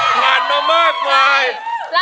ผ่านมามาก